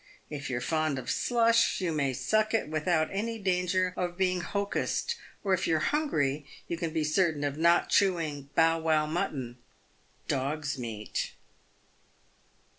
If you're fond of slush you may ' suck' it without any danger of being ' hocussed,' or if you're hungry, you can be certain of not chewing ' bow wow mutton' (dogs' meat)."